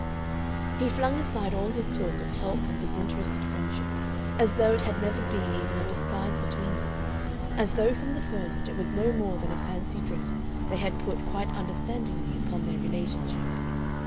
He flung aside all his talk of help and disinterested friendship as though it had never been even a disguise between them, as though from the first it was no more than a fancy dress they had put quite understandingly upon their relationship.